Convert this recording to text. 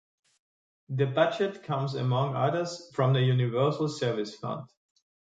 The budget comes among others, from the Universal Service Fund.